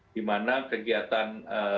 di mana kegiatan